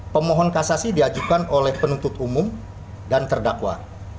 pemohon kasasi diajukan oleh penuntut umum dan terdakwa